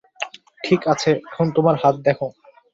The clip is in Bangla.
ঠিক আছে, এখন তোমার হাত দেখো।